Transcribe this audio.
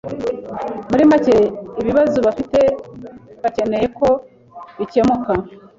muri macye ibibazo bafite bakeneye ko bikemuka